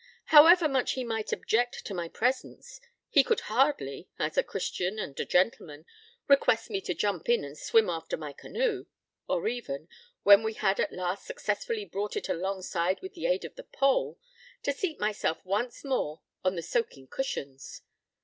However much he might object to my presence, he could hardly, as a Christian and a gentleman, request me to jump in and swim after my canoe, or even, when we had at last successfully brought it alongside with the aid of the pole, to seat myself once more on the soaking cushions.